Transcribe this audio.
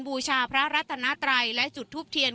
บูชาพระรัตนาไตรและจุดทูปเทียน